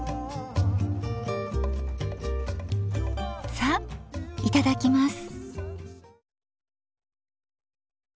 さあいただきます。